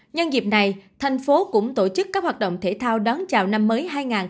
nhân dịp này tp hcm cũng tổ chức các hoạt động thể thao đón chào năm mới hai nghìn hai mươi hai